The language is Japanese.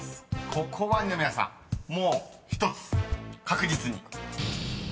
ここは二宮さんもう１つ確実に］